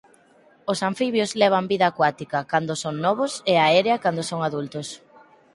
Os anfibios levan vida acuática cando son novos e aérea cando son adultos.